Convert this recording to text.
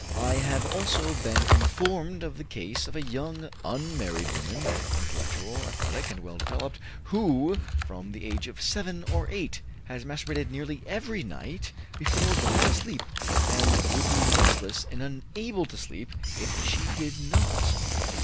I have also been informed of the case of a young unmarried woman, intellectual, athletic, and well developed, who, from the age of seven or eight, has masturbated nearly every night before going to sleep, and would be restless and unable to sleep if she did not.